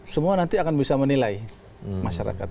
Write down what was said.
semua nanti akan bisa menilai masyarakat